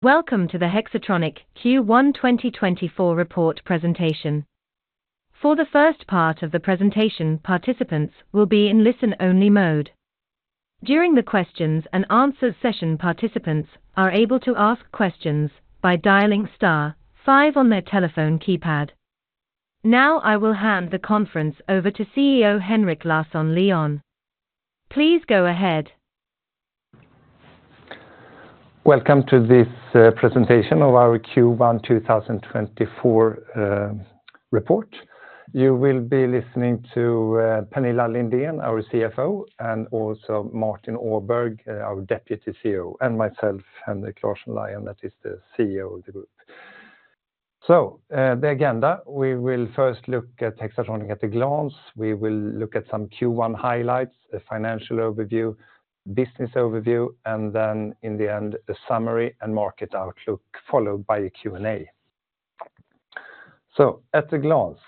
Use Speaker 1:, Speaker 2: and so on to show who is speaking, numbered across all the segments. Speaker 1: Welcome to the Hexatronic Q1 2024 report presentation. For the first part of the presentation, participants will be in listen-only mode. During the questions and answers session, participants are able to ask questions by dialing star five on their telephone keypad. Now I will hand the conference over to CEO Henrik Larsson Lyon. Please go ahead.
Speaker 2: Welcome to this presentation of our Q1 2024 report. You will be listening to Pernilla Lindén, our CFO, and also Martin Åberg, our deputy CEO, and myself, Henrik Larsson Lyon, that is the CEO of the group. The agenda, we will first look at Hexatronic at a glance. We will look at some Q1 highlights, a financial overview, business overview, and then in the end, a summary and market outlook, followed by a Q&A. At a glance.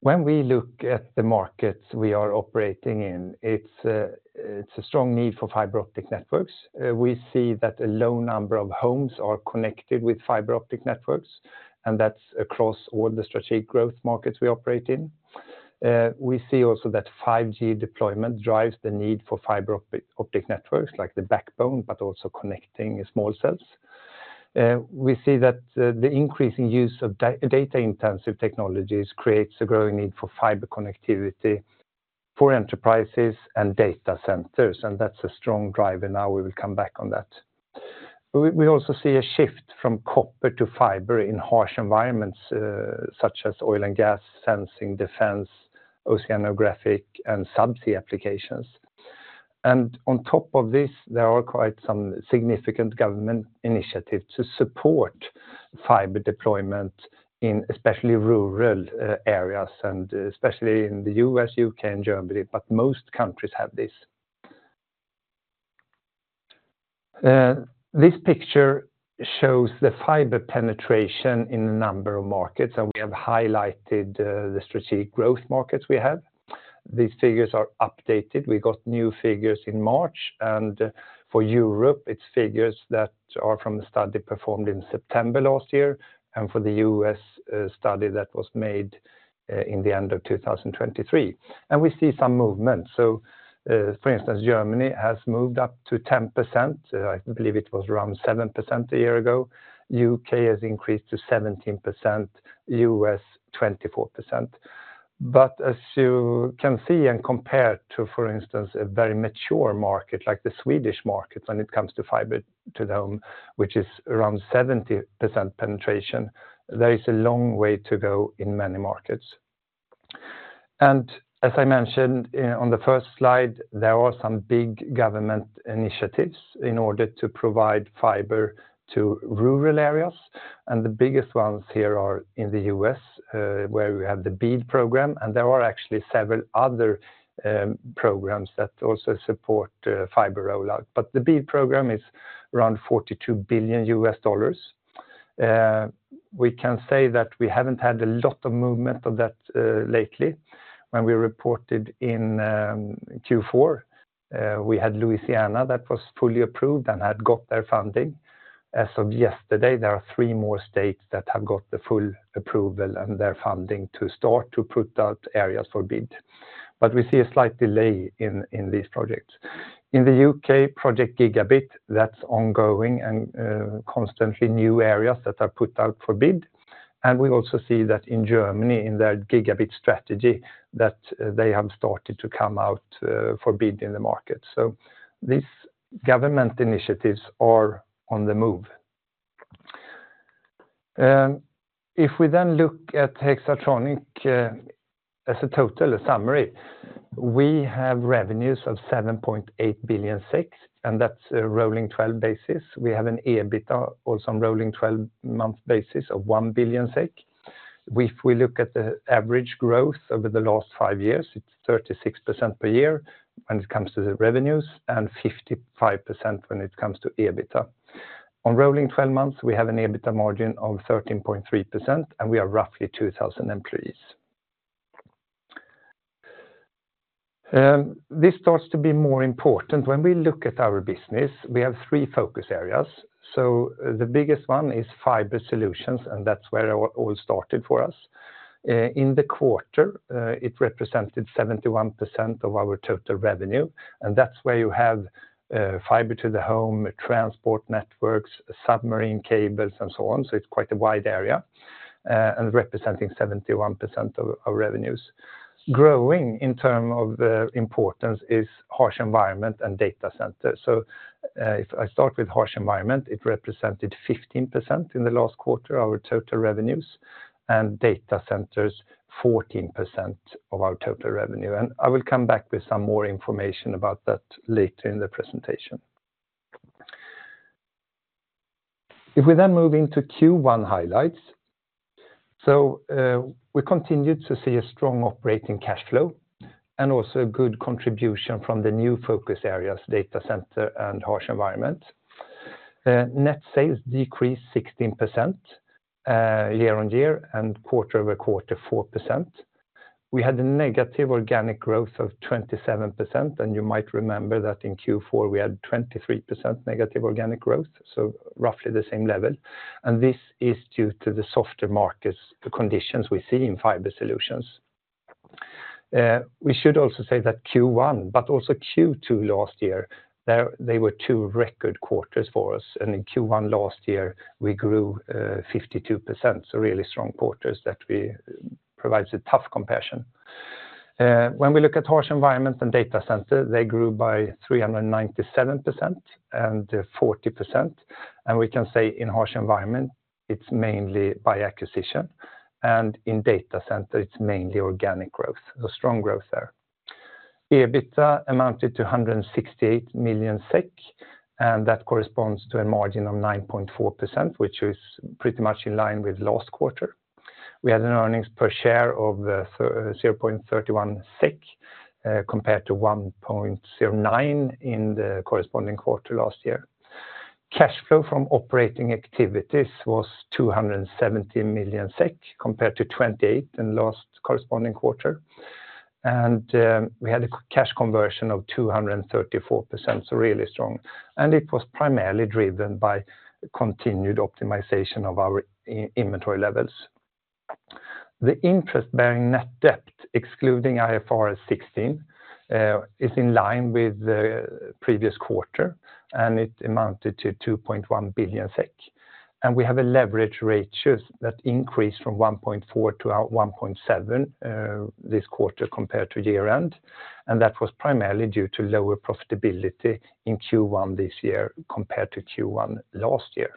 Speaker 2: When we look at the markets we are operating in, it's a strong need for fiber optic networks. We see that a low number of homes are connected with fiber optic networks, and that's across all the strategic growth markets we operate in. We see also that 5G deployment drives the need for fiber optic networks like the backbone, but also connecting small cells. We see that the increasing use of data-intensive technologies creates a growing need for fiber connectivity for enterprises and data centers, and that's a strong driver now we will come back on that. We also see a shift from copper to fiber in harsh environments, such as oil and gas, sensing, defense, oceanographic, and subsea applications. On top of this, there are quite some significant government initiatives to support fiber deployment in especially rural areas, and especially in the US, UK, and Germany, but most countries have this. This picture shows the fiber penetration in a number of markets, and we have highlighted the strategic growth markets we have. These figures are updated. We got new figures in March, and for Europe, it's figures that are from the study performed in September last year, and for the U.S., a study that was made in the end of 2023. We see some movement. So, for instance, Germany has moved up to 10%. I believe it was around 7% a year ago. U.K. has increased to 17%, U.S., 24%. But as you can see, and compared to, for instance, a very mature market like the Swedish market when it comes to fiber to the home, which is around 70% penetration, there is a long way to go in many markets. As I mentioned on the first slide, there are some big government initiatives in order to provide fiber to rural areas, and the biggest ones here are in the U.S., where we have the BEAD program, and there are actually several other programs that also support fiber rollout. But the BEAD program is around $42 billion. We can say that we haven't had a lot of movement of that lately. When we reported in Q4, we had Louisiana that was fully approved and had got their funding. As of yesterday, there are three more states that have got the full approval and their funding to start to put out areas for BEAD. But we see a slight delay in these projects. In the UK, Project Gigabit, that's ongoing and constantly new areas that are put out for BEAD. And we also see that in Germany, in their Gigabit Strategy, that they have started to come out for BEAD in the market. So these government initiatives are on the move. If we then look at Hexatronic, as a total, a summary, we have revenues of 7.8 billion, and that's a rolling twelve basis. We have an EBITDA, also on rolling twelve-month basis of 1 billion SEK. If we look at the average growth over the last five years, it's 36% per year when it comes to the revenues and 55% when it comes to EBITDA. On rolling twelve months, we have an EBITDA margin of 13.3%, and we are roughly 2,000 employees. This starts to be more important. When we look at our business, we have three focus areas. So the biggest one is fiber solutions, and that's where it all started for us. In the quarter, it represented 71% of our total revenue, and that's where you have fiber to the home, transport networks, submarine cables, and so on. So it's quite a wide area, and representing 71% of revenues. Growing in terms of importance is harsh environment and data center. So if I start with harsh environment, it represented 15% in the last quarter, our total revenues, and data centers, 14% of our total revenue. And I will come back with some more information about that later in the presentation. If we then move into Q1 highlights. So, we continued to see a strong operating cash flow and also a good contribution from the new focus areas, data center and harsh environment. Net sales decreased 16%, year-on-year and quarter-over-quarter, 4%. We had a negative organic growth of 27%, and you might remember that in Q4, we had 23% negative organic growth, so roughly the same level. And this is due to the softer markets, the conditions we see in fiber solutions. We should also say that Q1, but also Q2 last year, they were two record quarters for us, and in Q1 last year, we grew, 52%, so really strong quarters that we provides a tough comparison. When we look at harsh environments and data center, they grew by 397% and 40%. We can say in harsh environment, it's mainly by acquisition, and in data center, it's mainly organic growth. Strong growth there. EBITDA amounted to 168 million SEK, and that corresponds to a margin of 9.4%, which is pretty much in line with last quarter. We had an earnings per share of 0.31 SEK, compared to 1.09 in the corresponding quarter last year. Cash flow from operating activities was 270 million SEK, compared to 28 in last corresponding quarter. We had a cash conversion of 234%, so really strong, and it was primarily driven by continued optimization of our inventory levels. The interest bearing net debt, excluding IFRS 16, is in line with the previous quarter, and it amounted to 2.1 billion SEK. We have a leverage ratio that increased from 1.4-1.7 this quarter compared to year-end, and that was primarily due to lower profitability in Q1 this year compared to Q1 last year.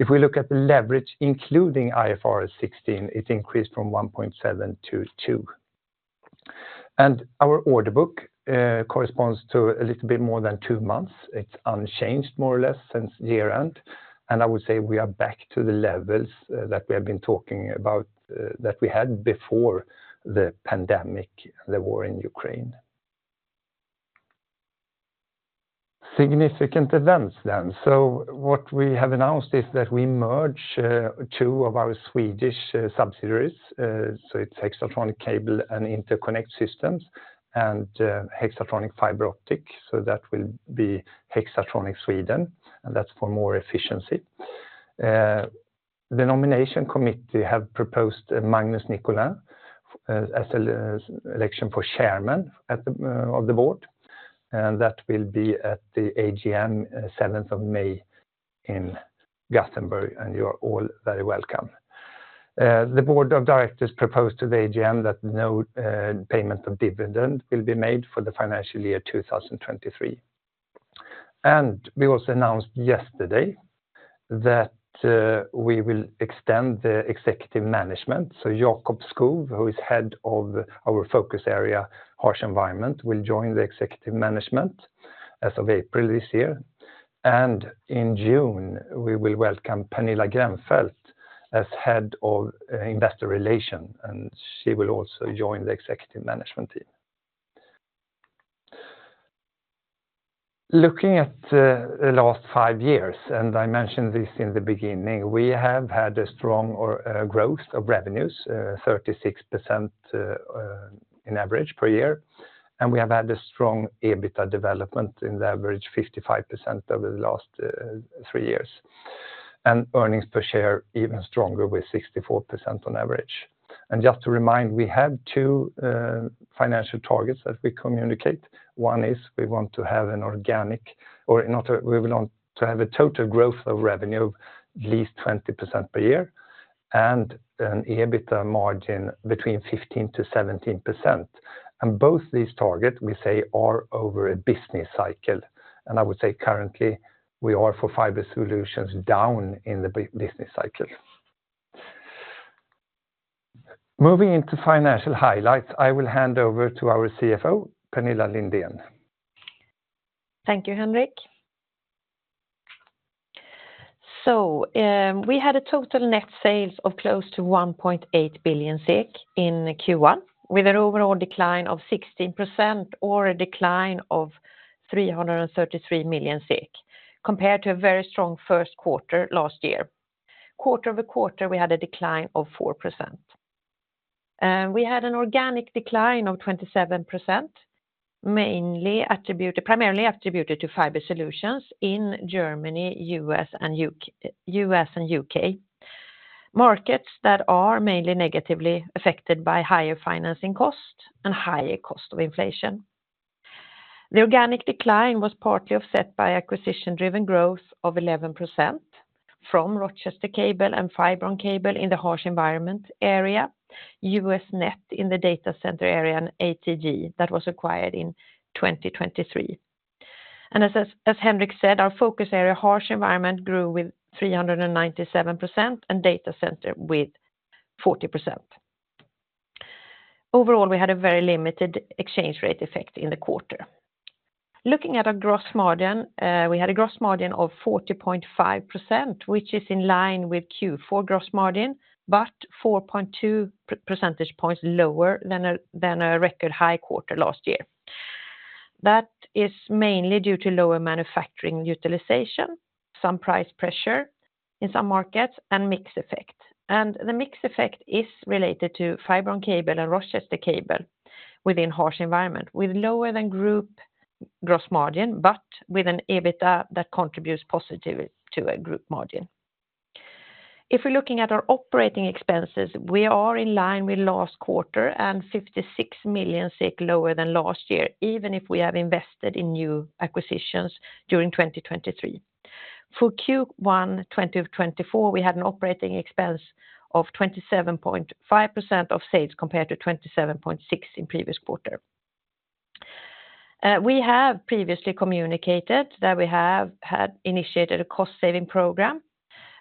Speaker 2: If we look at the leverage, including IFRS 16, it increased from 1.7-2. Our order book corresponds to a little bit more than 2 months. It's unchanged more or less since year-end, and I would say we are back to the levels that we have been talking about that we had before the pandemic, the war in Ukraine. Significant events then. So what we have announced is that we merge two of our Swedish subsidiaries, so it's Hexatronic Cable and Interconnect Systems, and Hexatronic Fiberoptic, so that will be Hexatronic Sweden, and that's for more efficiency. The nomination committee have proposed Magnus Nicolin as an election for Chairman of the board, and that will be at the AGM, seventh of May in Gothenburg, and you're all very welcome. The board of directors proposed to the AGM that no payment of dividend will be made for the financial year 2023. We also announced yesterday that we will extend the executive management. So Jakob Skog, who is head of our focus area, Harsh Environment, will join the executive management as of April this year. In June, we will welcome Pernilla Grennfelt as head of Investor Relations, and she will also join the executive management team. Looking at the last five years, and I mentioned this in the beginning, we have had a strong growth of revenues 36% in average per year, and we have had a strong EBITDA development in the average 55% over the last three years, and earnings per share even stronger with 64% on average. Just to remind, we have two financial targets that we communicate. One is we want to have a total growth of revenue at least 20% per year and an EBITDA margin between 15%-17%. And both these targets, we say, are over a business cycle, and I would say currently, we are for Fiber Solutions down in the business cycle. Moving into financial highlights, I will hand over to our CFO, Pernilla Lindén.
Speaker 3: Thank you, Henrik. So, we had a total net sales of close to 1.8 billion SEK in Q1, with an overall decline of 16% or a decline of 333 million SEK, compared to a very strong first quarter last year. Quarter over quarter, we had a decline of 4%. We had an organic decline of 27%, primarily attributed to fiber solutions in Germany, U.S., and U.K. Markets that are mainly negatively affected by higher financing costs and higher cost of inflation. The organic decline was partly offset by acquisition-driven growth of 11% from Rochester Cable and Fibron in the harsh environment area, US Net in the data center area, and ATG that was acquired in 2023. As Henrik said, our focus area, Harsh Environment, grew with 397% and data center with 40%. Overall, we had a very limited exchange rate effect in the quarter. Looking at our gross margin, we had a gross margin of 40.5%, which is in line with Q4 gross margin, but 4.2 percentage points lower than a record high quarter last year. That is mainly due to lower manufacturing utilization, some price pressure in some markets, and mix effect. And the mix effect is related to Fibron cable and Rochester Cable within Harsh Environment, with lower than group gross margin, but with an EBITDA that contributes positively to a group margin. If we're looking at our operating expenses, we are in line with last quarter and 56 million lower than last year, even if we have invested in new acquisitions during 2023. For Q1 2024, we had an operating expense of 27.5% of sales, compared to 27.6% in previous quarter. We have previously communicated that we have had initiated a cost-saving program,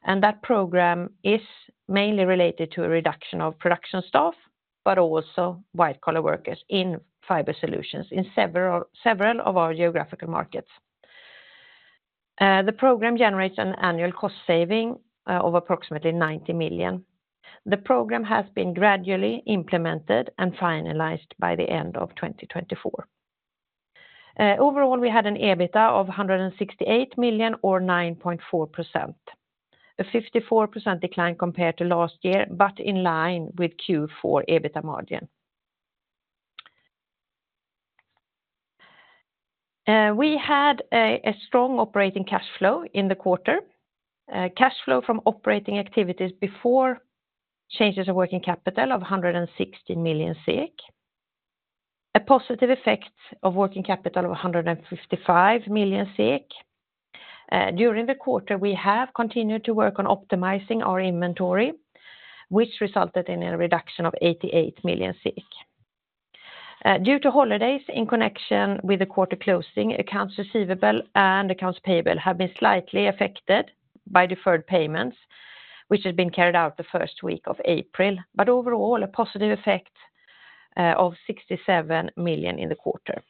Speaker 3: and that program is mainly related to a reduction of production staff, but also white-collar workers in Fiber Solutions in several of our geographical markets. The program generates an annual cost saving of approximately 90 million. The program has been gradually implemented and finalized by the end of 2024. Overall, we had an EBITDA of 168 million or 9.4%. A 54% decline compared to last year, but in line with Q4 EBITDA margin. We had a strong operating cash flow in the quarter. Cash flow from operating activities before changes of working capital of 160 million SEK. A positive effect of working capital of 155 million SEK. During the quarter, we have continued to work on optimizing our inventory, which resulted in a reduction of 88 million. Due to holidays in connection with the quarter closing, accounts receivable and accounts payable have been slightly affected by deferred payments, which has been carried out the first week of April, but overall, a positive effect of 67 million in the quarter.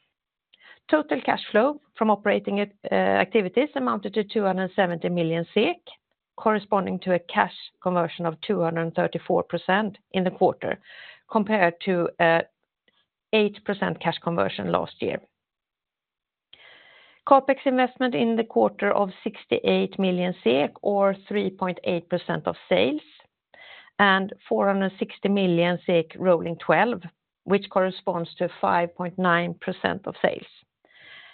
Speaker 3: Total cash flow from operating activities amounted to 270 million SEK, corresponding to a cash conversion of 234% in the quarter, compared to 8% cash conversion last year. CapEx investment in the quarter of 68 million SEK, or 3.8% of sales, and 460 million SEK rolling twelve, which corresponds to 5.9% of sales.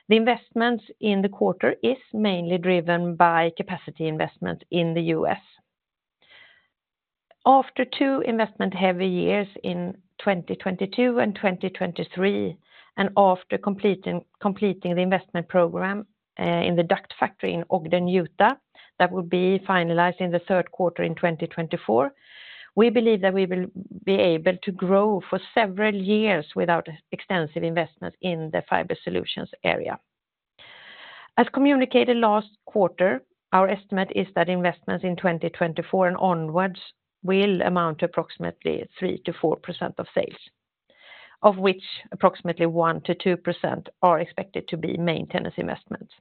Speaker 3: The investments in the quarter is mainly driven by capacity investment in the U.S. After two investment-heavy years in 2022 and 2023, and after completing the investment program in the duct factory in Ogden, Utah, that will be finalized in the third quarter in 2024, we believe that we will be able to grow for several years without extensive investment in the fiber solutions area. As communicated last quarter, our estimate is that investments in 2024 and onwards will amount to approximately 3%-4% of sales, of which approximately 1%-2% are expected to be maintenance investments.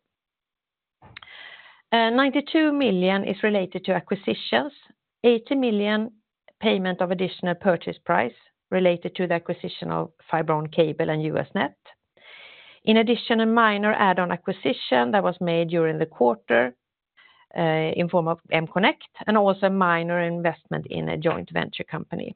Speaker 3: 92 million SEK is related to acquisitions, 80 million SEK payment of additional purchase price related to the acquisition of Fibron and US Net. In addition, a minor add-on acquisition that was made during the quarter, in form of M-Connect, and also a minor investment in a joint venture company.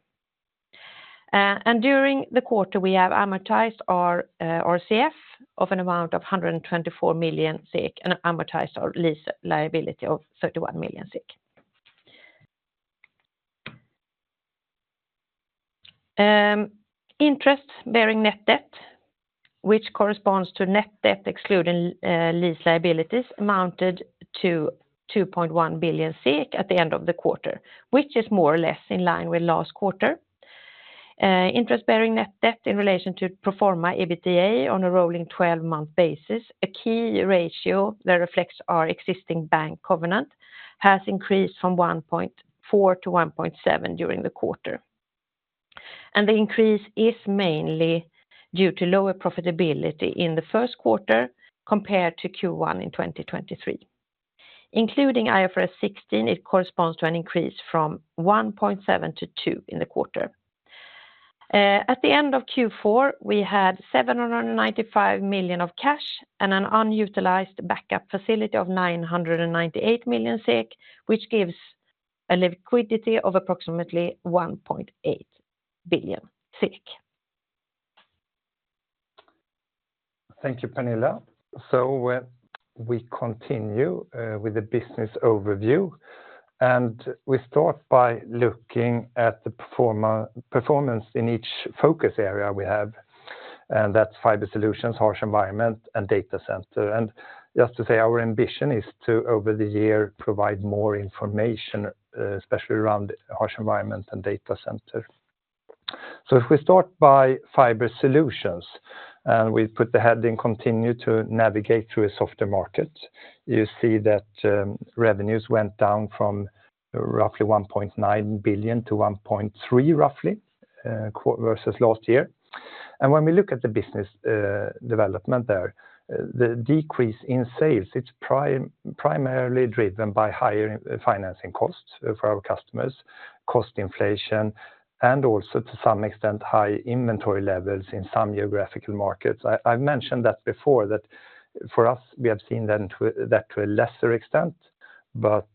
Speaker 3: And during the quarter, we have amortized our, our RCF of an amount of 124 million SEK and amortized our lease liability of 31 million SEK. Interest-bearing net debt, which corresponds to net debt excluding lease liabilities, amounted to 2.1 billion SEK at the end of the quarter, which is more or less in line with last quarter. Interest-bearing net debt in relation to pro forma EBITDA on a rolling twelve-month basis, a key ratio that reflects our existing bank covenant, has increased from 1.4 to 1.7 during the quarter. The increase is mainly due to lower profitability in the first quarter compared to Q1 in 2023. Including IFRS 16, it corresponds to an increase from 1.7 to 2 in the quarter. At the end of Q4, we had 795 million of cash and an unutilized backup facility of 998 million SEK, which gives a liquidity of approximately 1.8 billion SEK.
Speaker 2: Thank you, Pernilla. We continue with the business overview, and we start by looking at the performance in each focus area we have, and that's fiber solutions, harsh environment, and data center. And just to say, our ambition is to, over the year, provide more information, especially around harsh environment and data center. So if we start by fiber solutions, and we put the heading: Continue to navigate through a softer market, you see that, revenues went down from roughly 1.9 billion to 1.3 billion, roughly, versus last year. And when we look at the business, development there, the decrease in sales, it's primarily driven by higher financing costs for our customers, cost inflation, and also to some extent, high inventory levels in some geographical markets. I've mentioned that before, that for us, we have seen that to a lesser extent. But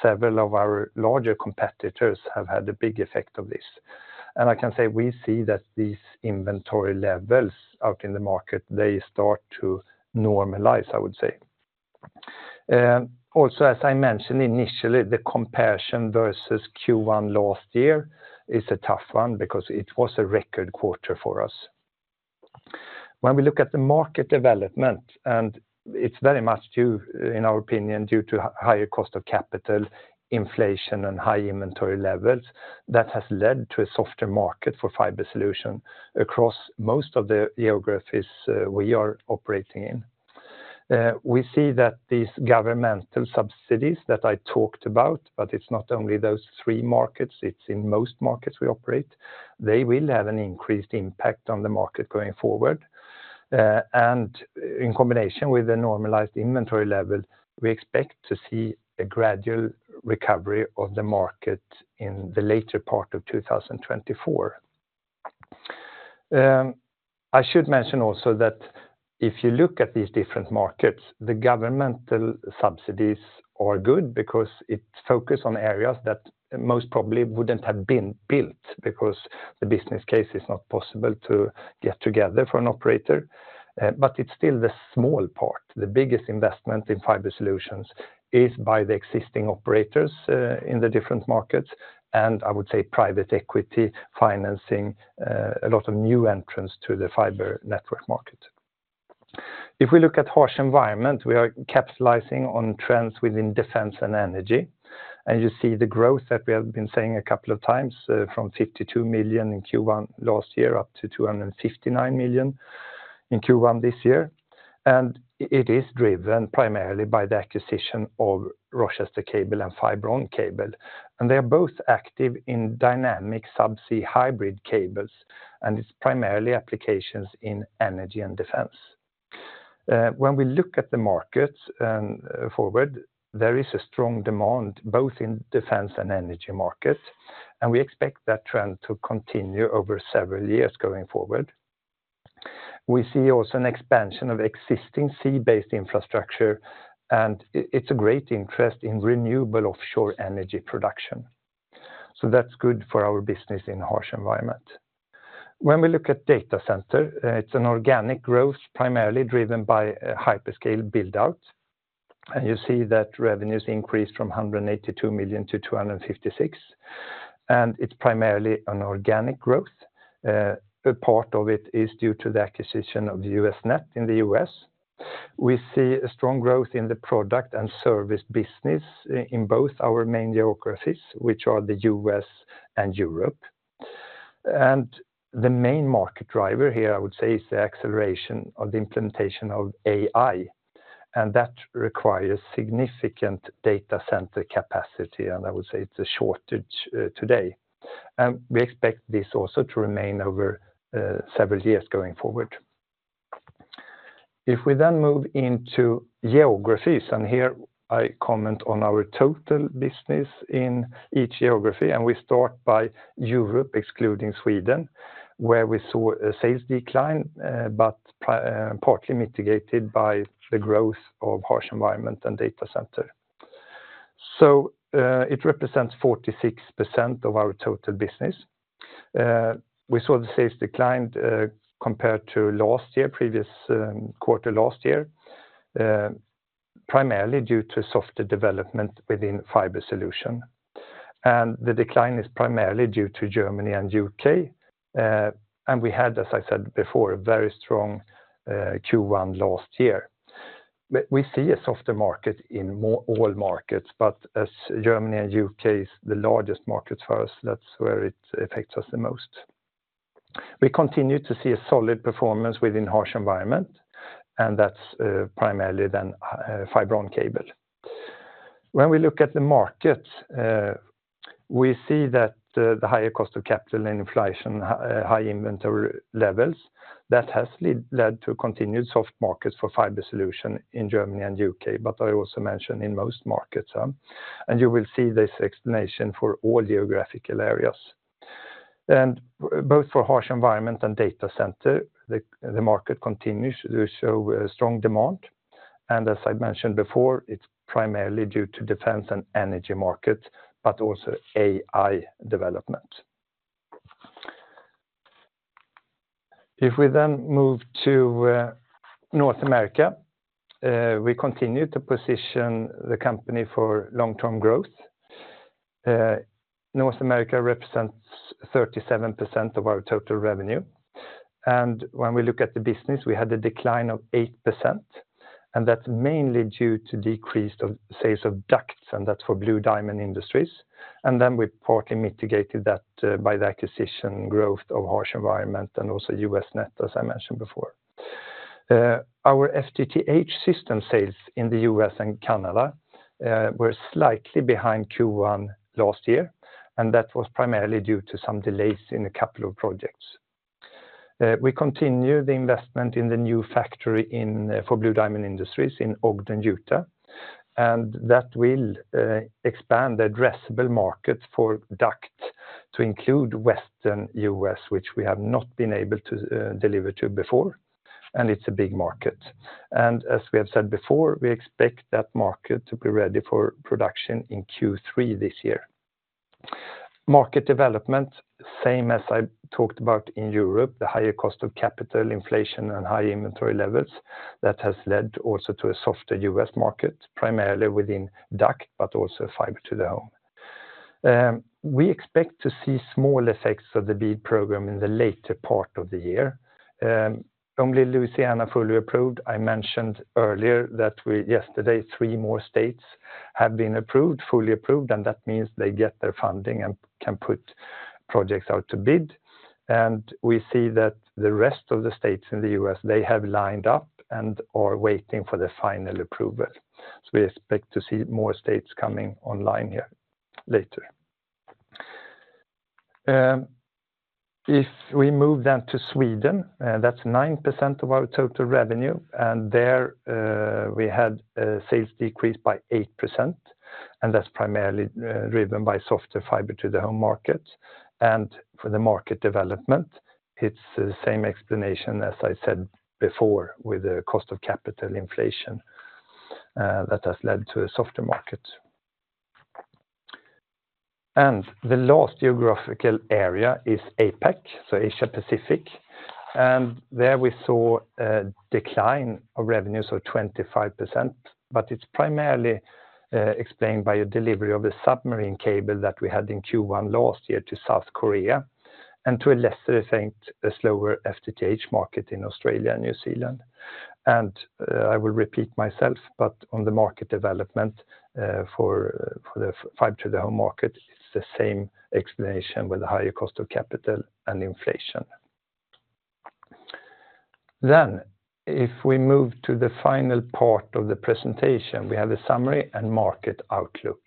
Speaker 2: several of our larger competitors have had a big effect of this. And I can say we see that these inventory levels out in the market, they start to normalize, I would say. Also, as I mentioned initially, the comparison versus Q1 last year is a tough one because it was a record quarter for us. When we look at the market development, and it's very much due, in our opinion, due to higher cost of capital, inflation, and high inventory levels, that has led to a softer market for fiber solution across most of the geographies we are operating in. We see that these governmental subsidies that I talked about, but it's not only those three markets, it's in most markets we operate. They will have an increased impact on the market going forward. And in combination with the normalized inventory level, we expect to see a gradual recovery of the market in the later part of 2024. I should mention also that if you look at these different markets, the governmental subsidies are good because it's focused on areas that most probably wouldn't have been built, because the business case is not possible to get together for an operator. But it's still the small part. The biggest investment in fiber solutions is by the existing operators in the different markets, and I would say private equity financing, a lot of new entrants to the fiber network market. If we look at harsh environment, we are capitalizing on trends within defense and energy, and you see the growth that we have been saying a couple of times, from 52 million in Q1 last year, up to 259 million in Q1 this year. And it is driven primarily by the acquisition of Rochester Cable and Fibron Cable, and they are both active in dynamic subsea hybrid cables, and it's primarily applications in energy and defense. When we look at the markets, forward, there is a strong demand, both in defense and energy markets, and we expect that trend to continue over several years going forward. We see also an expansion of existing sea-based infrastructure, and it's a great interest in renewable offshore energy production. So that's good for our business in harsh environment. When we look at data center, it's an organic growth, primarily driven by a hyperscale build-out. You see that revenues increased from 182 million to 256 million, and it's primarily an organic growth. A part of it is due to the acquisition of US Net in the U.S. We see a strong growth in the product and service business in both our main geographies, which are the U.S. and Europe. The main market driver here, I would say, is the acceleration of the implementation of AI, and that requires significant data center capacity, and I would say it's a shortage today. We expect this also to remain over several years going forward. If we then move into geographies, and here I comment on our total business in each geography, and we start by Europe, excluding Sweden, where we saw a sales decline, but partly mitigated by the growth of harsh environment and data center. It represents 46% of our total business. We saw the sales declined, compared to last year, previous quarter last year, primarily due to softer development within fiber solution. The decline is primarily due to Germany and UK, and we had, as I said before, a very strong Q1 last year. We see a softer market in more all markets, but as Germany and UK is the largest market for us, that's where it affects us the most. We continue to see a solid performance within harsh environment, and that's primarily then Fibron Cable. When we look at the markets, we see that the higher cost of capital and inflation high inventory levels, that has led to a continued soft market for fiber solution in Germany and U.K., but I also mentioned in most markets, and you will see this explanation for all geographical areas. And both for harsh environment and data center, the market continues to show strong demand, and as I mentioned before, it's primarily due to defense and energy markets, but also AI development. If we then move to North America, we continue to position the company for long-term growth. North America represents 37% of our total revenue, and when we look at the business, we had a decline of 8%, and that's mainly due to decreased sales of ducts, and that's for Blue Diamond Industries. Then we partly mitigated that by the acquisition growth of Harsh Environment and also US Net, as I mentioned before. Our FTTH system sales in the US and Canada were slightly behind Q1 last year, and that was primarily due to some delays in a couple of projects. We continue the investment in the new factory for Blue Diamond Industries in Ogden, Utah, and that will expand the addressable market for ducts to include Western US, which we have not been able to deliver to before, and it's a big market. As we have said before, we expect that market to be ready for production in Q3 this year. Market development, same as I talked about in Europe, the higher cost of capital inflation and high inventory levels, that has led also to a softer US market, primarily within duct, but also fiber to the home. We expect to see small effects of the BEAD program in the later part of the year. Only Louisiana fully approved. I mentioned earlier that yesterday, three more states have been approved, fully approved, and that means they get their funding and can put projects out to BEAD. And we see that the rest of the states in the US, they have lined up and are waiting for the final approval. So we expect to see more states coming online here later. If we move down to Sweden, that's 9% of our total revenue, and there, we had a sales decrease by 8%, and that's primarily driven by softer fiber to the home market. For the market development, it's the same explanation as I said before, with the cost of capital inflation that has led to a softer market. The last geographical area is APAC, so Asia Pacific. There we saw a decline of revenues of 25%, but it's primarily explained by a delivery of a submarine cable that we had in Q1 last year to South Korea, and to a lesser extent, a slower FTTH market in Australia and New Zealand. I will repeat myself, but on the market development for the fiber to the home market, it's the same explanation with a higher cost of capital and inflation. If we move to the final part of the presentation, we have a summary and market outlook.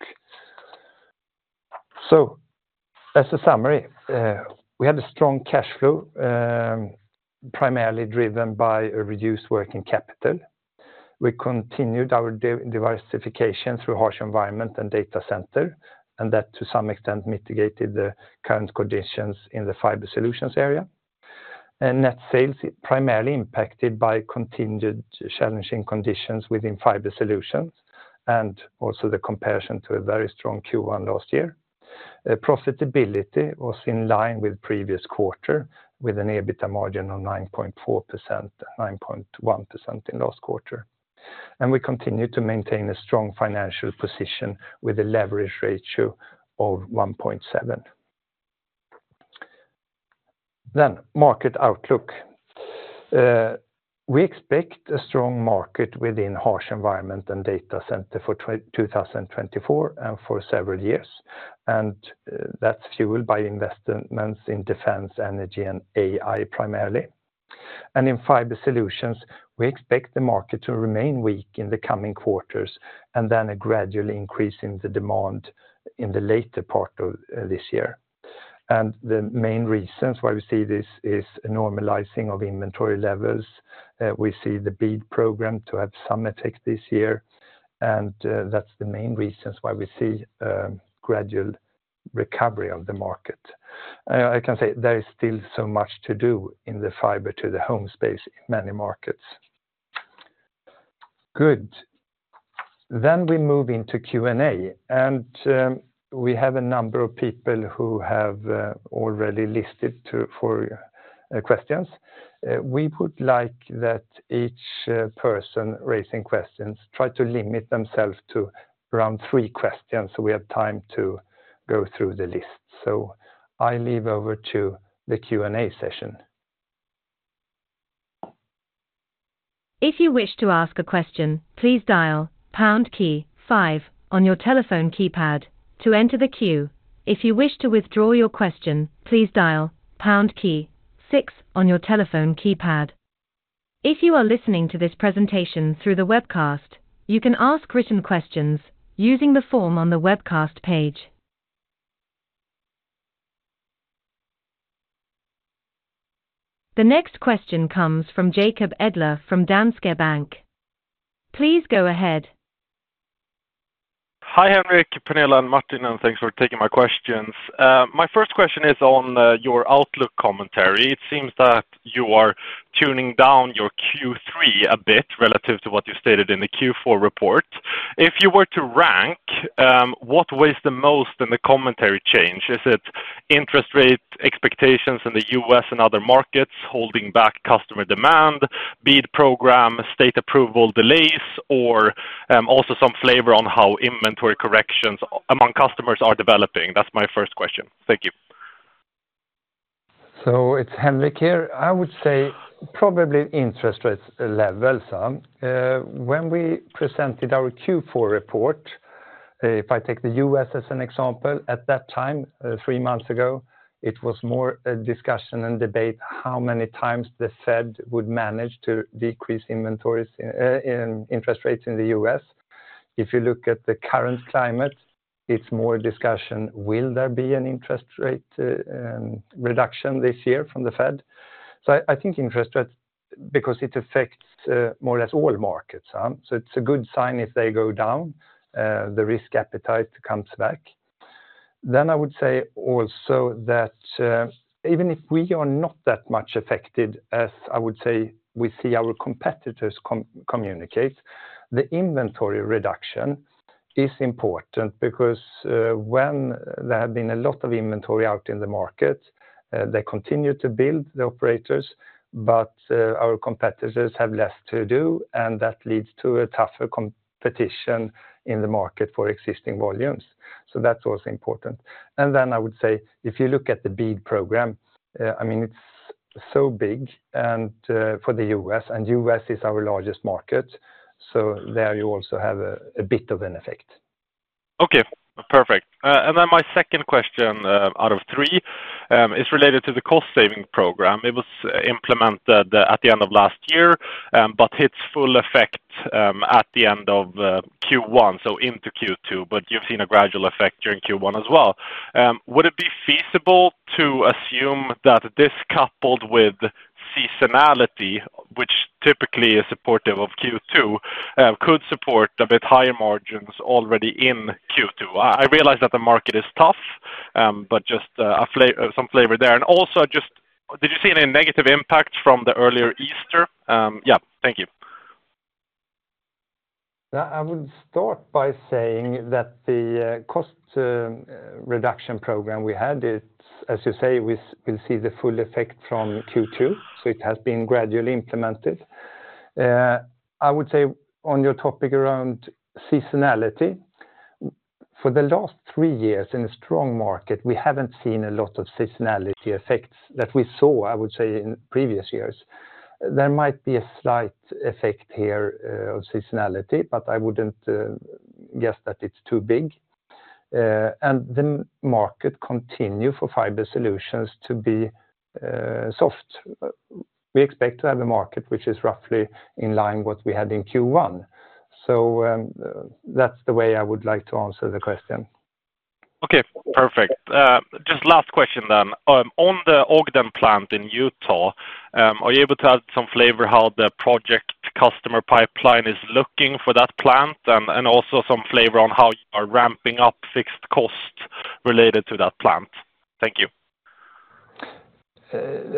Speaker 2: As a summary, we had a strong cash flow primarily driven by a reduced working capital. We continued our diversification through harsh environment and data center, and that, to some extent, mitigated the current conditions in the fiber solutions area. Net sales is primarily impacted by continued challenging conditions within fiber solutions, and also the comparison to a very strong Q1 last year. Profitability was in line with previous quarter, with an EBITDA margin of 9.4%, 9.1% in last quarter. We continue to maintain a strong financial position with a leverage ratio of 1.7. Then, market outlook. We expect a strong market within harsh environment and data center for 2024 and for several years, and that's fueled by investments in defense, energy, and AI, primarily. And in fiber solutions, we expect the market to remain weak in the coming quarters, and then a gradual increase in the demand in the later part of this year. And the main reasons why we see this is a normalizing of inventory levels. We see the BEAD program to have some effect this year, and that's the main reasons why we see gradual recovery of the market. I can say there is still so much to do in the fiber to the home space in many markets. Good. Then we move into Q&A, and we have a number of people who have already listed for questions. We would like that each person raising questions try to limit themselves to around three questions, so we have time to go through the list. So I leave over to the Q&A session.
Speaker 1: If you wish to ask a question, please dial pound key five on your telephone keypad to enter the queue. If you wish to withdraw your question, please dial pound key six on your telephone keypad. If you are listening to this presentation through the webcast, you can ask written questions using the form on the webcast page. The next question comes from Jakob Edler, from Danske Bank. Please go ahead.
Speaker 4: Hi, Henrik, Pernilla, and Martin, and thanks for taking my questions. My first question is on your outlook commentary. It seems that you are tuning down your Q3 a bit relative to what you stated in the Q4 report. If you were to rank what weighs the most in the commentary change? Is it interest rate expectations in the U.S. and other markets holding back customer demand, BEAD program, state approval delays, or also some flavor on how inventory corrections among customers are developing? That's my first question. Thank you.
Speaker 2: It's Henrik here. I would say probably interest rates level somewhat. When we presented our Q4 report, if I take the U.S. as an example, at that time, three months ago, it was more a discussion and debate how many times the Fed would manage to decrease interest rates in the U.S. If you look at the current climate, it's more discussion will there be an interest rate reduction this year from the Fed? So I think interest rates, because it affects more or less all markets, so it's a good sign if they go down, the risk appetite comes back.... Then I would say also that even if we are not that much affected, as I would say, we see our competitors communicate, the inventory reduction is important because when there have been a lot of inventory out in the market, they continue to build the operators, but our competitors have less to do, and that leads to a tougher competition in the market for existing volumes. So that's also important. And then I would say, if you look at the BEAD program, I mean, it's so big, and for the US, and US is our largest market, so there you also have a bit of an effect.
Speaker 4: Okay, perfect. And then my second question, out of three, is related to the cost saving program. It was implemented at the end of last year, but hits full effect, at the end of Q1, so into Q2, but you've seen a gradual effect during Q1 as well. Would it be feasible to assume that this, coupled with seasonality, which typically is supportive of Q2, could support a bit higher margins already in Q2? I realize that the market is tough, but just some flavor there. And also, just did you see any negative impact from the earlier Easter? Yeah, thank you.
Speaker 2: Yeah, I would start by saying that the cost reduction program we had, it's, as you say, we, we'll see the full effect from Q2, so it has been gradually implemented. I would say on your topic around seasonality, for the last three years in a strong market, we haven't seen a lot of seasonality effects that we saw, I would say, in previous years. There might be a slight effect here of seasonality, but I wouldn't guess that it's too big. And the market continue for fiber solutions to be soft. We expect to have a market which is roughly in line what we had in Q1. So, that's the way I would like to answer the question.
Speaker 4: Okay, perfect. Just last question then. On the Ogden plant in Utah, are you able to add some flavor how the project customer pipeline is looking for that plant, and, and also some flavor on how you are ramping up fixed costs related to that plant? Thank you.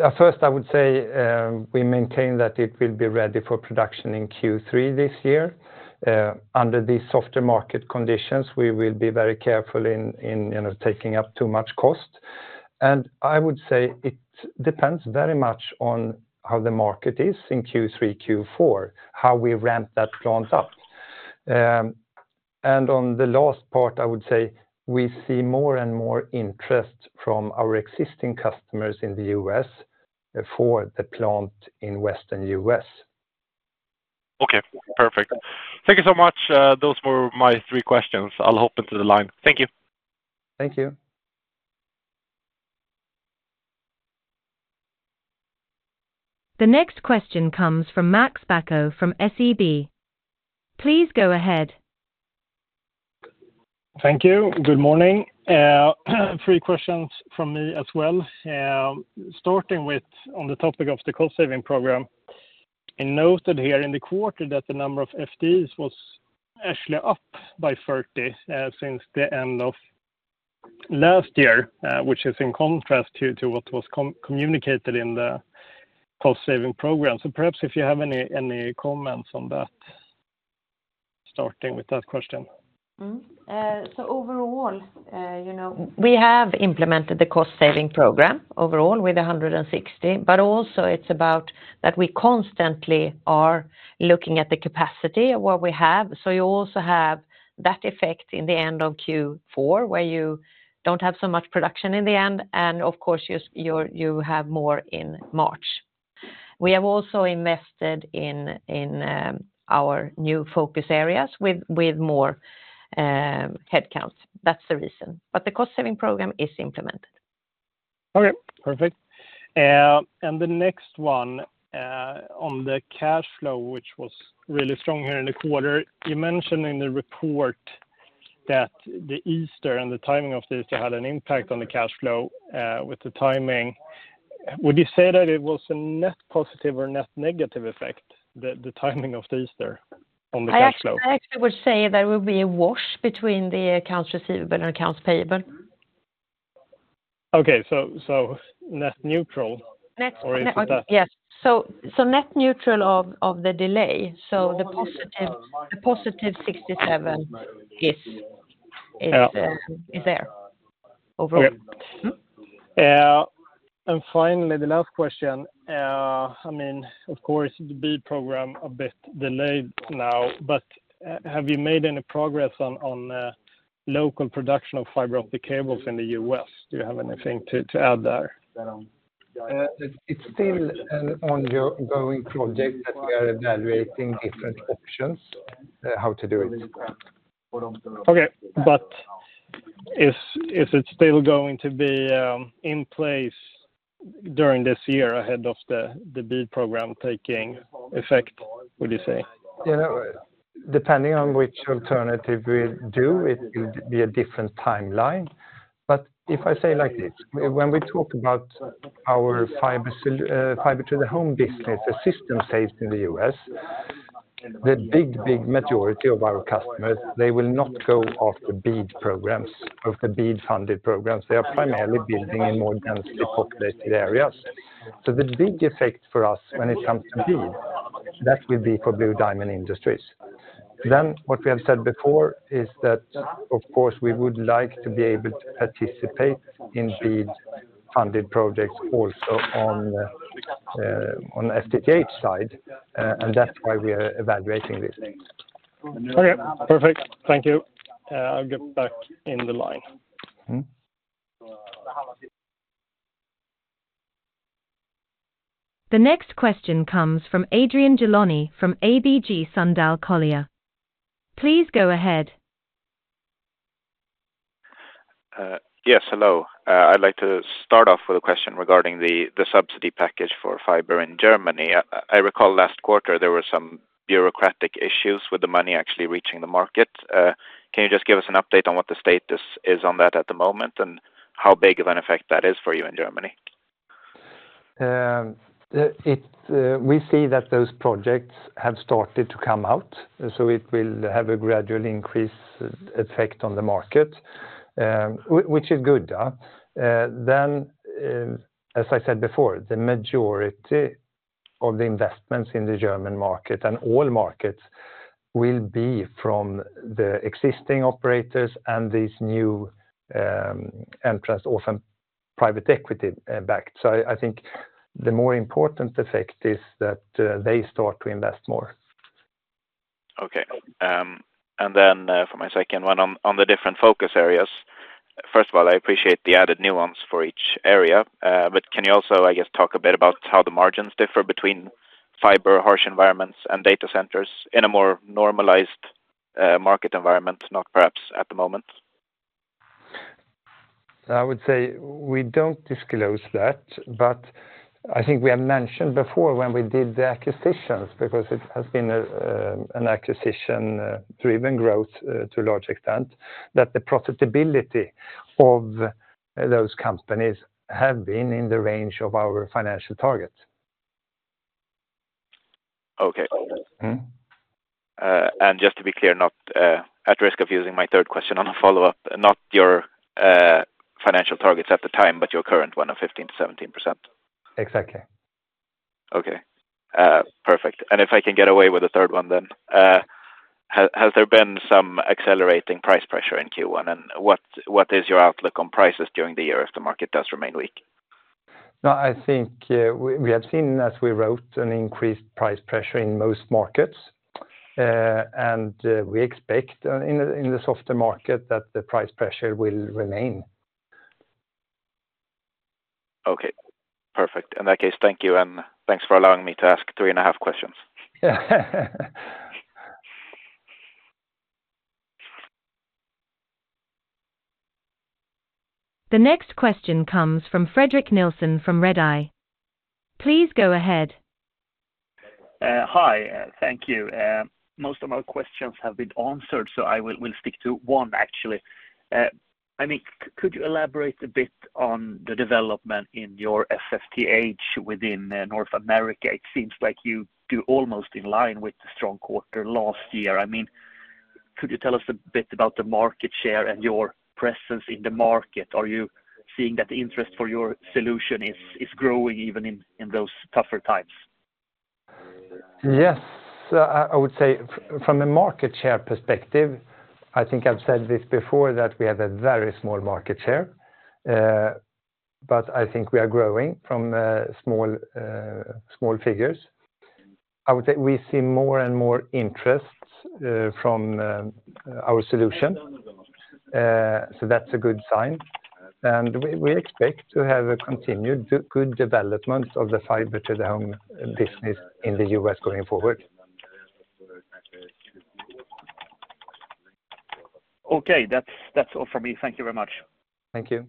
Speaker 2: At first I would say, we maintain that it will be ready for production in Q3 this year. Under the softer market conditions, we will be very careful in you know taking up too much cost. And I would say it depends very much on how the market is in Q3, Q4, how we ramp that plant up. And on the last part, I would say we see more and more interest from our existing customers in the U.S. for the plant in Western U.S.
Speaker 4: Okay, perfect. Thank you so much. Those were my three questions. I'll hop into the line. Thank you.
Speaker 2: Thank you.
Speaker 1: The next question comes from Max Bacco from SEB. Please go ahead.
Speaker 5: Thank you. Good morning. Three questions from me as well. Starting with on the topic of the cost saving program, I noted here in the quarter that the number of FDs was actually up by 30, since the end of last year, which is in contrast to what was communicated in the cost saving program. So perhaps if you have any comments on that, starting with that question.
Speaker 3: So overall, you know, we have implemented the cost saving program overall with 160, but also it's about that we constantly are looking at the capacity of what we have. So you also have that effect in the end of Q4, where you don't have so much production in the end, and of course, you have more in March. We have also invested in our new focus areas with more headcounts. That's the reason, but the cost saving program is implemented.
Speaker 5: Okay, perfect. And the next one, on the cash flow, which was really strong here in the quarter. You mentioned in the report that the Easter and the timing of the Easter had an impact on the cash flow, with the timing. Would you say that it was a net positive or net negative effect, the timing of the Easter on the cash flow?
Speaker 3: I actually would say there will be a wash between the accounts receivable and accounts payable.
Speaker 5: Okay, so, so net neutral?
Speaker 3: Net-
Speaker 5: Or is it that-
Speaker 3: Yes. So net neutral of the delay. So the positive 67 is,
Speaker 5: Yeah.
Speaker 3: Is, is there overall.
Speaker 5: Yeah.
Speaker 3: Mm-hmm.
Speaker 5: And finally, the last question, I mean, of course, the BEAD program a bit delayed now, but have you made any progress on local production of fiber optic cables in the U.S.? Do you have anything to add there?
Speaker 2: It's still an ongoing project that we are evaluating different options, how to do it.
Speaker 5: Okay, but is it still going to be in place during this year ahead of the BEAD program taking effect, would you say?
Speaker 2: You know, depending on which alternative we'll do, it will be a different timeline. But if I say like this, when we talk about our fiber sol- fiber to the home business, the systems sales in the US. The big, big majority of our customers, they will not go after BEAD programs, of the BEAD-funded programs. They are primarily building in more densely populated areas. So the big effect for us when it comes to BEAD, that will be for Blue Diamond Industries. Then what we have said before is that, of course, we would like to be able to participate in BEAD-funded projects also on the, on FTTH side, and that's why we are evaluating this.
Speaker 5: Okay, perfect. Thank you. I'll get back in the line.
Speaker 2: Mm-hmm.
Speaker 1: The next question comes from Adrian Gilani from ABG Sundal Collier. Please go ahead.
Speaker 6: Yes, hello. I'd like to start off with a question regarding the subsidy package for fiber in Germany. Can you just give us an update on what the status is on that at the moment, and how big of an effect that is for you in Germany?
Speaker 2: We see that those projects have started to come out, so it will have a gradually increased effect on the market, which is good. Then, as I said before, the majority of the investments in the German market and all markets will be from the existing operators and these new entrants, often private equity backed. So I think the more important effect is that they start to invest more.
Speaker 6: Okay. And then, for my second one, on the different focus areas. First of all, I appreciate the added nuance for each area. But can you also, I guess, talk a bit about how the margins differ between fiber, harsh environments, and data centers in a more normalized market environment, not perhaps at the moment?
Speaker 2: I would say we don't disclose that, but I think we have mentioned before when we did the acquisitions, because it has been an acquisition-driven growth to a large extent, that the profitability of those companies have been in the range of our financial targets.
Speaker 6: Okay.
Speaker 2: Mm-hmm.
Speaker 6: And just to be clear, not at risk of using my third question on a follow-up, not your financial targets at the time, but your current one of 15%-17%.
Speaker 2: Exactly.
Speaker 6: Okay. Perfect. And if I can get away with a third one, then, has there been some accelerating price pressure in Q1, and what is your outlook on prices during the year if the market does remain weak?
Speaker 2: No, I think we have seen, as we wrote, an increased price pressure in most markets. And we expect, in the softer market, that the price pressure will remain.
Speaker 6: Okay, perfect. In that case, thank you, and thanks for allowing me to ask three and a half questions.
Speaker 1: The next question comes from Fredrik Nilsson from Redeye. Please go ahead.
Speaker 7: Hi, thank you. Most of our questions have been answered, so I will stick to one, actually. I mean, could you elaborate a bit on the development in your FTTH within North America? It seems like you do almost in line with the strong quarter last year. I mean, could you tell us a bit about the market share and your presence in the market? Are you seeing that the interest for your solution is growing even in those tougher times?
Speaker 2: Yes. I would say from a market share perspective, I think I've said this before, that we have a very small market share. But I think we are growing from small figures. I would say we see more and more interest from our solution. So that's a good sign. And we expect to have a continued good development of the fiber to the home business in the U.S. going forward.
Speaker 7: Okay. That's, that's all for me. Thank you very much.
Speaker 2: Thank you.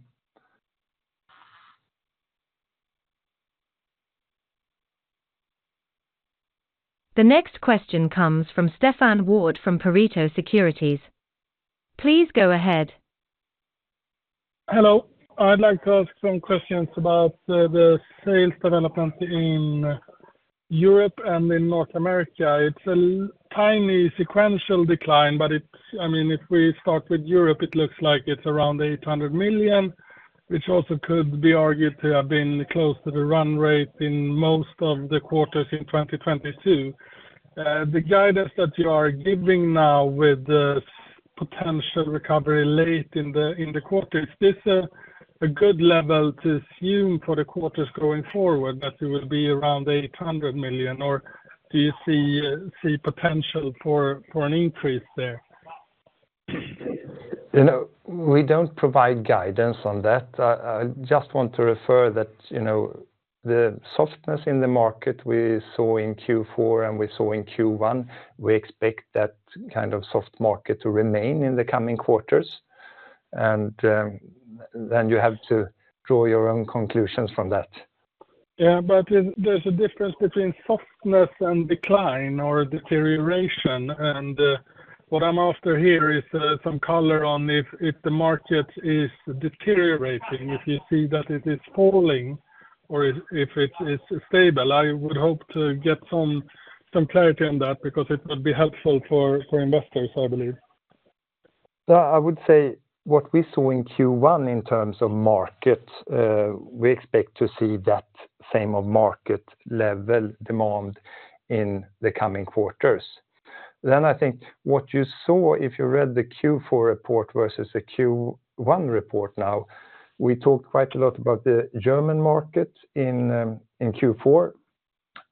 Speaker 1: The next question comes from Stefan Wård from Pareto Securities. Please go ahead.
Speaker 8: Hello. I'd like to ask some questions about the sales development in Europe and in North America. It's a tiny sequential decline, but I mean, if we start with Europe, it looks like it's around 800 million, which also could be argued to have been close to the run rate in most of the quarters in 2022. The guidance that you are giving now with the potential recovery late in the quarter, is this a good level to assume for the quarters going forward, that it will be around 800 million, or do you see potential for an increase there?
Speaker 2: You know, we don't provide guidance on that. I just want to refer that, you know, the softness in the market we saw in Q4 and we saw in Q1, we expect that kind of soft market to remain in the coming quarters. And then you have to draw your own conclusions from that.
Speaker 8: Yeah, but there's a difference between softness and decline or deterioration. And what I'm after here is some color on if the market is deteriorating, if you see that it is falling or if it's stable. I would hope to get some clarity on that because it would be helpful for investors, I believe.
Speaker 2: Well, I would say what we saw in Q1 in terms of markets, we expect to see that same of market level demand in the coming quarters. Then I think what you saw, if you read the Q4 report versus the Q1 report now, we talked quite a lot about the German market in Q4,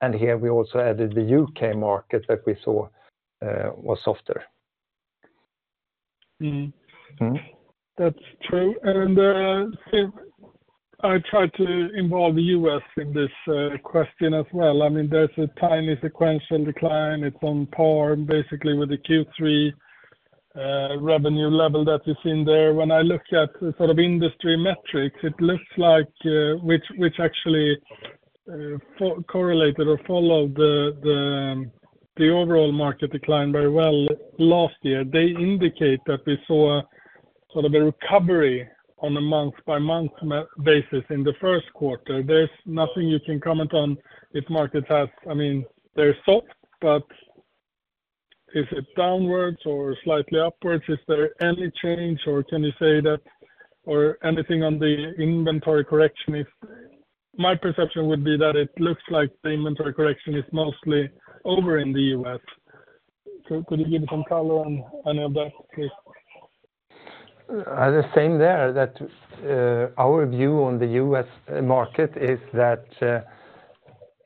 Speaker 2: and here we also added the UK market that we saw was softer.
Speaker 8: Mm.
Speaker 2: Mm-hmm.
Speaker 8: That's true. I try to involve the U.S. in this question as well. I mean, there's a tiny sequential decline. It's on par, basically, with the Q3 revenue level that you've seen there. When I look at the sort of industry metrics, it looks like, which actually correlated or followed the overall market decline very well last year. They indicate that we saw sort of a recovery on a month-by-month basis in the first quarter. There's nothing you can comment on if markets have... I mean, they're soft, but is it downwards or slightly upwards? Is there any change, or can you say that or anything on the inventory correction if... My perception would be that it looks like the inventory correction is mostly over in the U.S. So could you give some color on any of that, please?
Speaker 2: The same there, that, our view on the US market is that,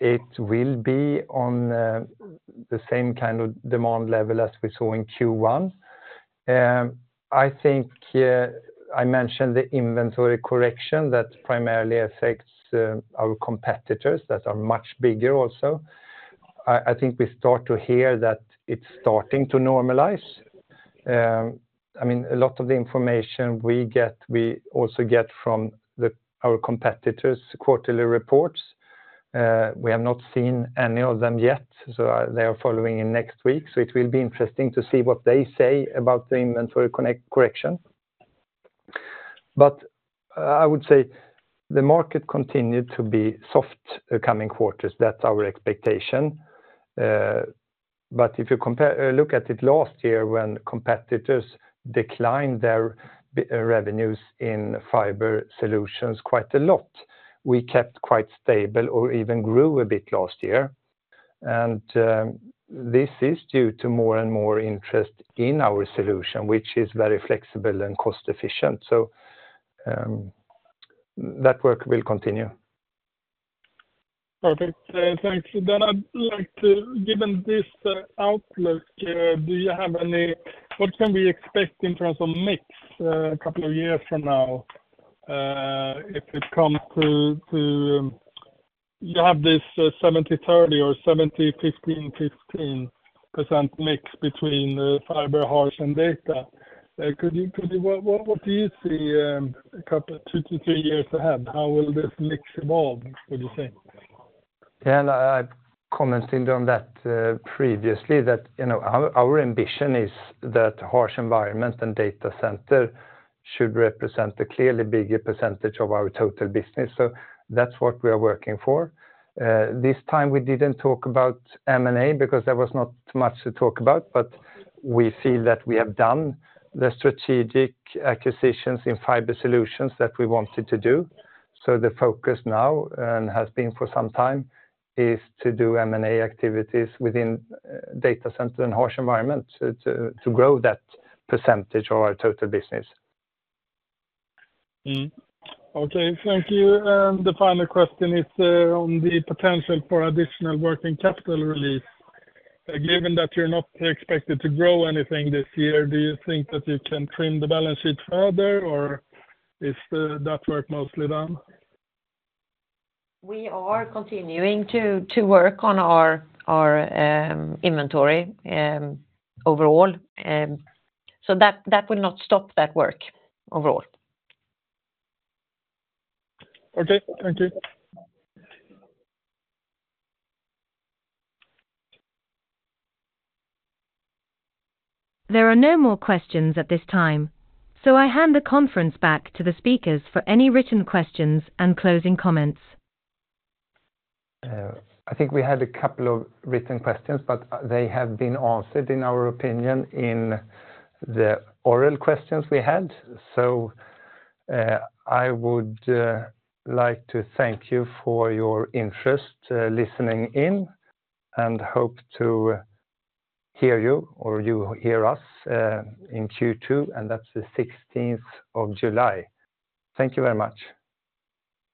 Speaker 2: it will be on, the same kind of demand level as we saw in Q1. I think, I mentioned the inventory correction that primarily affects, our competitors, that are much bigger also. I think we start to hear that it's starting to normalize. I mean, a lot of the information we get, we also get from the, our competitors' quarterly reports. We have not seen any of them yet, so they are following in next week. So it will be interesting to see what they say about the inventory correction. But I would say the market continued to be soft the coming quarters. That's our expectation. But if you compare, look at it last year, when competitors declined their revenues in Fiber Solutions quite a lot, we kept quite stable or even grew a bit last year. And, this is due to more and more interest in our solution, which is very flexible and cost efficient. So, that work will continue.
Speaker 8: Perfect. Thank you. Then I'd like to... Given this outlook, do you have any-- what can we expect in terms of mix, a couple of years from now? If it comes to, you have this 70-30 or 70, 15, 15% mix between fiber, harsh, and data. Could you-- what do you see, a couple, 2-3 years ahead? How will this mix evolve, would you say?
Speaker 2: Yeah, and I've commented on that previously, that you know, our ambition is that harsh environment and data center should represent a clearly bigger percentage of our total business, so that's what we are working for. This time we didn't talk about M&A because there was not much to talk about, but we feel that we have done the strategic acquisitions in fiber solutions that we wanted to do. So the focus now, and has been for some time, is to do M&A activities within data center and harsh environment to grow that percentage of our total business.
Speaker 8: Okay, thank you. The final question is on the potential for additional working capital release. Given that you're not expected to grow anything this year, do you think that you can trim the balance sheet further, or is that work mostly done?
Speaker 9: We are continuing to work on our inventory overall, so that will not stop that work overall.
Speaker 8: Okay. Thank you.
Speaker 1: There are no more questions at this time, so I hand the conference back to the speakers for any written questions and closing comments.
Speaker 2: I think we had a couple of written questions, but they have been answered, in our opinion, in the oral questions we had. So, I would like to thank you for your interest, listening in, and hope to hear you or you hear us, in Q2, and that's the sixteenth of July. Thank you very much.